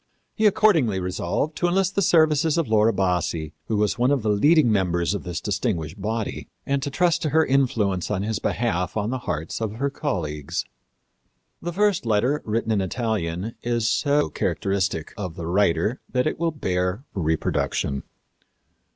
He accordingly resolved to enlist the services of Laura Bassi, who was one of the leading members of this distinguished body, and trust to her influence in his behalf on the hearts of her colleagues. The first letter, written in Italian, is so characteristic of the writer that it will bear reproduction.